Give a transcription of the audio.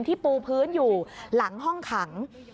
ปูพื้นอยู่หลังห้องขัง